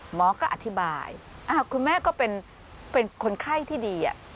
หมอก็อธิบายคุณแม่ก็เป็นคนไข้ที่ดี